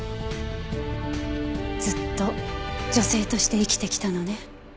ずっと女性として生きてきたのね。